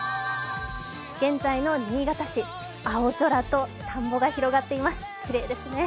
現在の新潟市、青空と田んぼが広がっています、きれいですね。